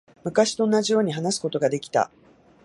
昔と同じように話すことができた。